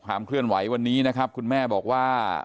เคลื่อนไหววันนี้นะครับคุณแม่บอกว่า